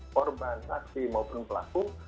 korban taksi maupun pelaku